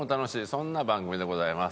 そんな番組でございます。